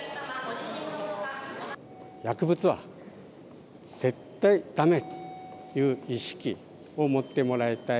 薬物は絶対だめという意識を持ってもらいたい。